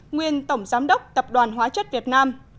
nguyên tổng giám đốc tập đoàn hóa chất việt nam